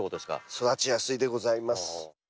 育ちやすいでございます。